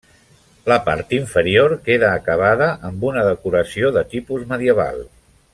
La part inferior queda acabada amb una decoració de tipus medieval.